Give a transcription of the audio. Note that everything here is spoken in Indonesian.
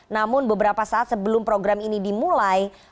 namun beberapa saat sebelum program ini dimulai